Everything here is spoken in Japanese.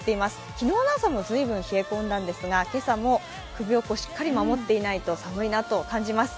昨日の朝も随分冷え込んだんですが、今朝も首をしっかり守っていないと寒いなと感じます。